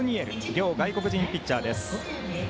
両外国人ピッチャーです。